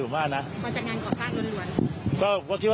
ว่าจะงานคอสร้างเรือน